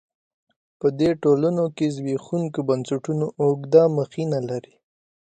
په دې ټولنو کې زبېښونکي بنسټونه اوږده مخینه لري.